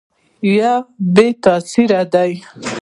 یا بې تاثیره دي ؟